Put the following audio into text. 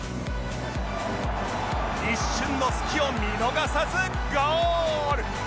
一瞬の隙を見逃さずゴール！